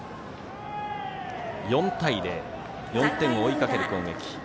４対０、４点を追いかける攻撃。